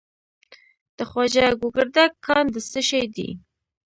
د خواجه ګوګردک کان د څه شي دی؟